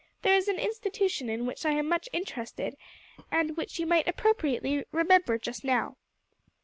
There is an institution in which I am much interested, and which you might appropriately remember just now."